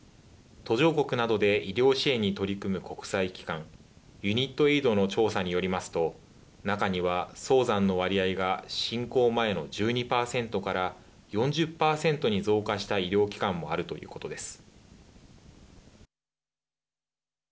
途上国などで医療支援に取り組む国際機関ＵＮＩＴＡＩＤの調査によりますと中には、早産の割合が侵攻前の１２％から４０％に増加した医療機関もあるということです。